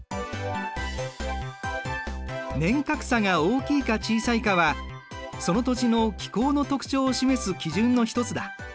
年較差が大きいか小さいかはその土地の気候の特徴を示す基準の一つだ。